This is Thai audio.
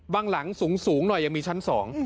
บางหลังสูงหน่อยยังมีชั้น๒